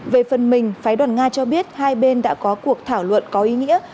về phần mình phái đoàn nga cho biết hai bên đã có cuộc thảo luận có ý nghĩa